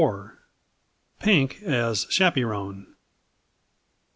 Pink as "Chappyrone."